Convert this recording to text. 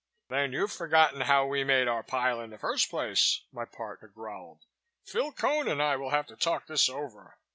"Then you've forgotten how we made our pile in the first place," my partner growled. "Phil Cone and I will have to talk this over.